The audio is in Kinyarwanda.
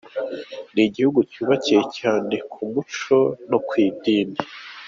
Ni igihugu cyubakiye cyane ku muco no ku idini.